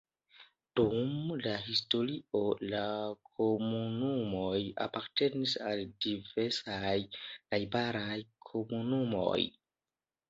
Dum la historio la komunumoj apartenis al diversaj najbaraj komunumoj.